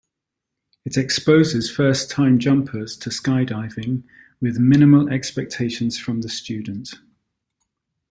It exposes first-time jumpers to skydiving with minimal expectations from the student.